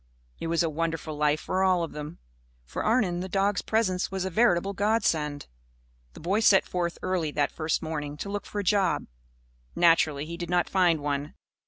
It was a wonderful life for all of them. For Arnon, the dogs' presence was a veritable godsend. The boy set forth early that first morning, to look for a job. Naturally, he did not find one.